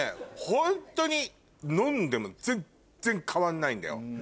ホントに飲んでも全然変わんないんだよ。